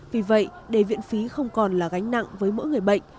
vì vậy để viện phí không còn là gánh nặng với mỗi người bệnh